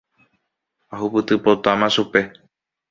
Ahupytypotáma chupe.